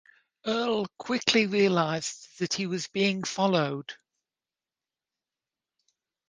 Earl quickly realized that he was being followed.